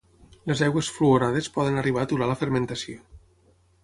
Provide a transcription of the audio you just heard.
Les aigües fluorades poden arribar a aturar la fermentació.